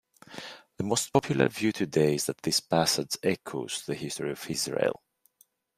The most popular view today is that this passage echoes the history of Israel.